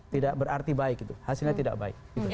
tidak berarti baik hasilnya tidak baik